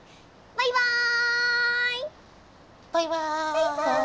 バイバイ！